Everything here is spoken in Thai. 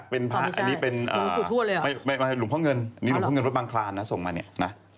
เป็นพระอันนี้เป็นหลุมข้องเงินหลุมข้องเงินรถบังคลานนะส่งมาเนี่ยนะ